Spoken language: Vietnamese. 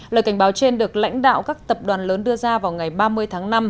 lời cảnh báo trên được lãnh đạo các tập đoàn lớn đưa ra vào ngày ba mươi tháng năm